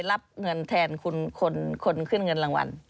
รับเงินแทนคนขึ้นเงินรางวัล